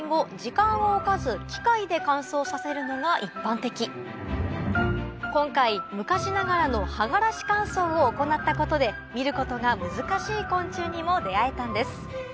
現在では今回昔ながらの葉がらし乾燥を行ったことで見ることが難しい昆虫にも出合えたんです